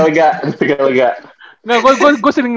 di tegalega di tegalega